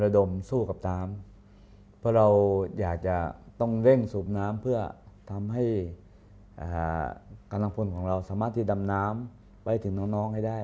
ดำน้ำเพื่อทำให้การลังฟูนของเราสามารถที่ดำน้ำไปถึงน้องให้ได้